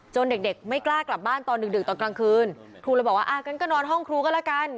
เด็กเด็กไม่กล้ากลับบ้านตอนดึกตอนกลางคืนครูเลยบอกว่าอ่างั้นก็นอนห้องครูก็แล้วกัน